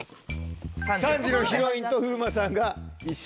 ３時のヒロインと風磨さんが一緒。